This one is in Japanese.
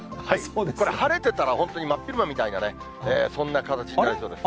これ、晴れてたら真っ昼間みたいなね、そんな形になりそうです。